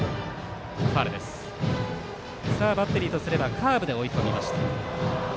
バッテリーとすればカーブで追い込みました。